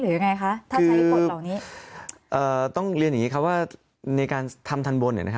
ต้องเรียนอย่างนี้ครับว่าในการทำทันบน